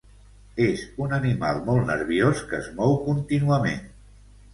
És un animal molt nerviós, que es mou contínuament.